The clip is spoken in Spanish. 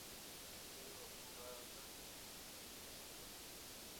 Ha sido repoblada con eucaliptos.